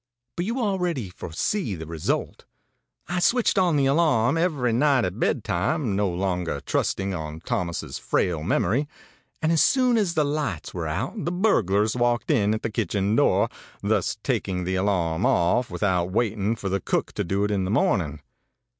But you already foresee the result. I switched on the alarm every night at bed time, no longer trusting on Thomas's frail memory; and as soon as the lights were out the burglars walked in at the kitchen door, thus taking the alarm off without waiting for the cook to do it in the morning.